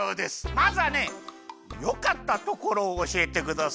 まずはねよかったところをおしえてください。